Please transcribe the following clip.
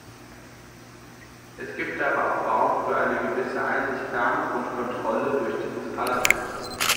Es gibt aber auch Raum für eine gewisse Einsichtnahme und Kontrolle durch dieses Parlament.